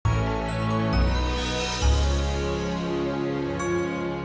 sampai jumpa di video selanjutnya